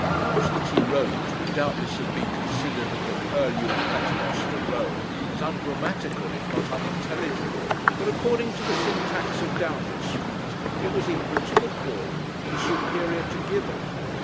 Much that he wrote would doubtless have been considered in the purlieus of Paternoster Row as ungrammatical, if not unintelligible; but according to the syntax of Downing Street, it was equal to Macaulay, and superior to Gibbon.